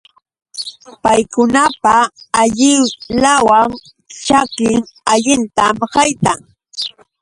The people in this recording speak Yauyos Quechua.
Paykunapa allilaw ćhakin allintam haytan.